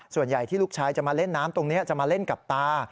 ส่วนใหญ่ที่ลูกชายจะมาเล่นน้ำตรงนี้จะมาเล่นกับตา